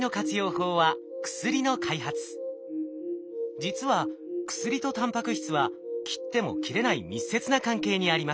法は実は薬とタンパク質は切っても切れない密接な関係にあります。